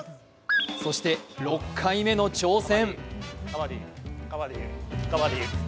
そして６回目の挑戦。